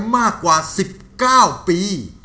มากกว่าสิบเก่าปี